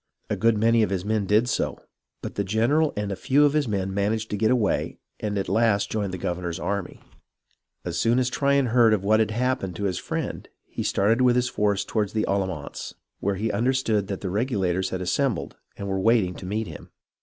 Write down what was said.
A good many of his men did so, but the general and a few of his men managed to get away and at last joined the governor's army. As soon as Tryon heard of what had happened to his friend, he started with his force toward the Allamance, where he understood the Regulators had assembled and were waiting to meet him.